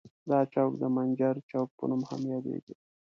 دا چوک د منجر چوک په نوم هم یادیږي.